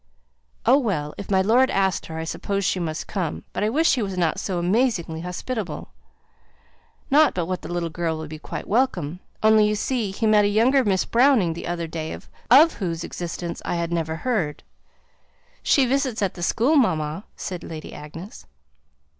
"Oh, well! if my lord asked her, I suppose she must come, but I wish he was not so amazingly hospitable! Not but what the little girl will be quite welcome; only, you see, he met a younger Miss Browning the other day, of whose existence I had never heard." "She visits at the school, mamma," said Lady Agnes.